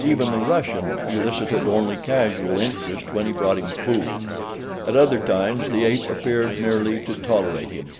Even the Russian elicited only casual interest when he brought him food. At other times the ape appeared merely to tolerate him.